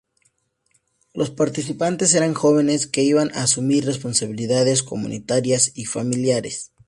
Los participantes eran jóvenes que iban a asumir responsabilidades comunitarias y familiares.